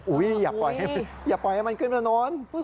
อุ๊ยอย่าปล่อยให้มันขึ้นไปตรงนั้น